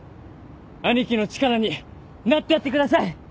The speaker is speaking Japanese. アニキの力になってやってください！